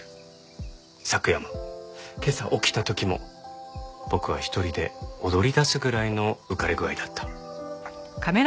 昨夜も今朝起きた時も僕は一人で踊りだすぐらいの浮かれ具合だった。